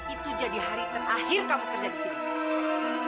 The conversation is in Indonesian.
itu jadi hari terakhir kamu kerja di sini